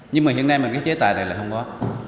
nhưng mà hiện nay mà cái chế tài này lại không có